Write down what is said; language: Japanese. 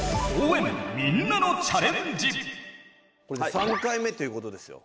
３回目ということですよ。